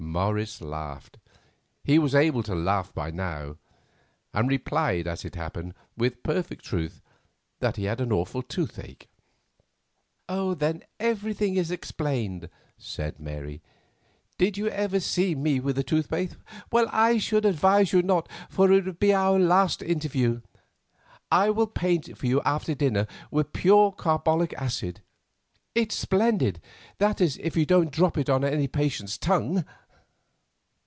Morris laughed—he was able to laugh by now—and replied, as it happened, with perfect truth, that he had an awful toothache. "Then everything is explained," said Mary. "Did you ever see me with a toothache? Well, I should advise you not, for it would be our last interview. I will paint it for you after dinner with pure carbolic acid; it's splendid, that is if you don't drop any on the patient's tongue."